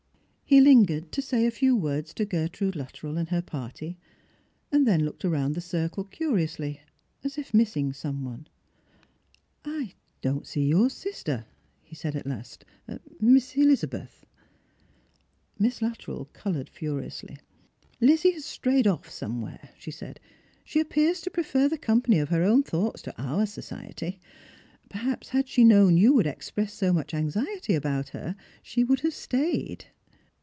He Hngered to say a few words to Gertrude Luttrell and her party, and then looked round the circle curiously, as if missing some one. " I don't see your sister," he said at last, " Miss Elizabeth." Miss Luttrell coloured furiously. " Lizzie has strayed off somewhere," she said. " She appears to prefer the company of her own thoughts to our society. Perhaps had she known you would express so much anxiety about her she would have stayed."